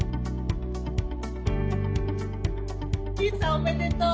おめでとう！